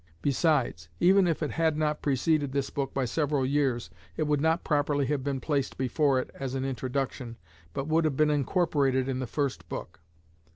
Besides, even if it had not preceded this book by several years, it would not properly have been placed before it as an introduction, but would have been incorporated in the first book.